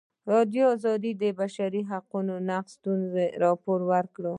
ازادي راډیو د د بشري حقونو نقض ستونزې راپور کړي.